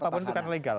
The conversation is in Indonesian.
ya apapun itu kan legal